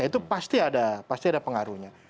itu pasti ada pengaruhnya